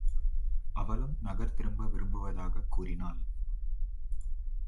அவளும் நகர் திரும்ப விரும்புவதாகக் கூறினாள்.